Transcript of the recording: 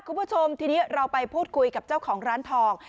คุณผู้ชมทีนี้เราไปพูดคุยกับเจ้าของร้านทอง